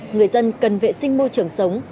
người dân cần vệ sinh môi trường sống